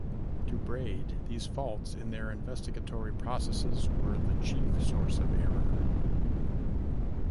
To Braid, these faults in their investigatory processes were "the chief source of error".